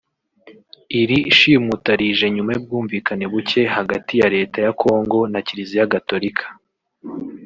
Iri shimuta rije nyuma y’ubwumvikane buke hagati ya Leta ya Congo na Kiliziya Gatolika